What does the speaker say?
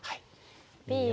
Ｂは。